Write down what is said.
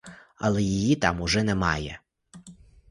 Але її там уже немає.